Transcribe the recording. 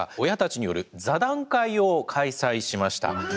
親たちによる座談会を開催しました。